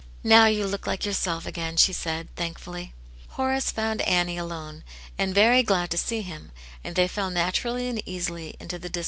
"Now you look like yourself again," she said, thankfully. Horace found Annie alone, and very glad to sec him, and they fell naturally and easily into tUe. d\s.